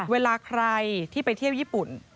เวลาใครที่ไปเที่ยวญี่ปุ่น